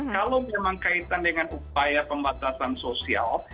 kalau memang kaitan dengan upaya pembatasan sosial